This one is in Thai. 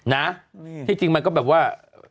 นะที่จริงมันก็แบบว่า